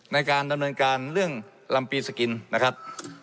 ในการดำเนินการเรื่องลำปีสกินนะครับ